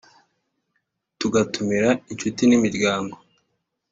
Tugatumira inshuti n’imiryango